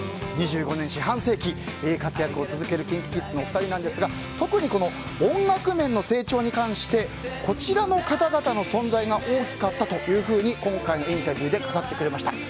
２５年、四半世紀活躍を続けるＫｉｎＫｉＫｉｄｓのお二人ですが特に、音楽面の成長に関してこちらの方々の存在が大きかったというふうに今回のインタビューで語ってくれました。